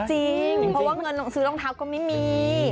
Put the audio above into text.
จริงเพราะว่าเงินซื้อรองเท้าก็ไม่มี